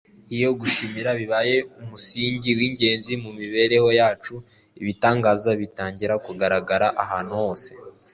iyo gushimira bibaye umusingi w'ingenzi mu mibereho yacu, ibitangaza bitangira kugaragara ahantu hose